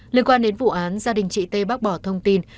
liên quan đến vụ án gia đình chị tê bác bỏ thông tin